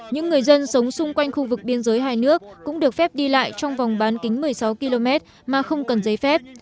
những người dân sống xung quanh khu vực biên giới hai nước cũng được phép đi lại trong vòng bán kính một mươi sáu km mà không cần giấy phép